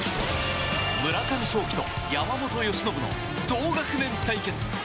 村上頌樹と山本由伸の同学年対決。